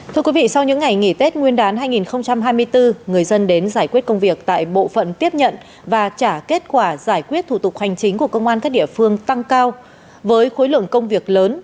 thưa quý vị sau những ngày nghỉ tết nguyên đán hai nghìn hai mươi bốn người dân đến giải quyết công việc tại bộ phận tiếp nhận và trả kết quả giải quyết thủ tục hành chính của công an các địa phương tăng cao với khối lượng công việc lớn